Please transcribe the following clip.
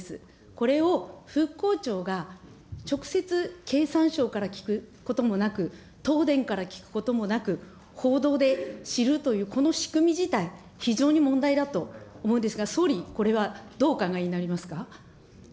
これを復興庁が、直接、経産省から聞くこともなく、東電から聞くこともなく、報道で知るというこの仕組み自体、非常に問題だと思うんですが、総理、これはどうお考えになりますか。